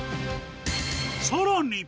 さらに。